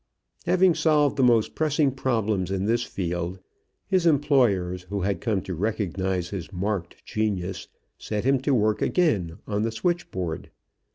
Having solved the most pressing problems in this field, his employers, who had come to recognize his marked genius, set him to work again on the switchboard.